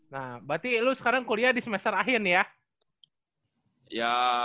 nah berarti ilu sekarang kuliah di semester akhir ya